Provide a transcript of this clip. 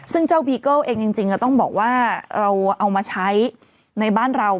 ซึ่งเจ้าบีเกิ้ลเองจริงต้องบอกว่าเราเอามาใช้ในบ้านเรา